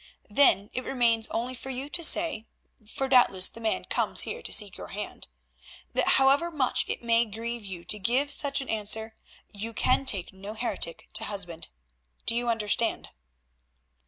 Then it remains only for you to say—for doubtless the man comes here to seek your hand—that however much it may grieve you to give such an answer, you can take no heretic to husband. Do you understand?"